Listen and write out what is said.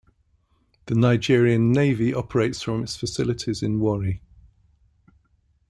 The Nigerian Navy operates from its facilities in Warri.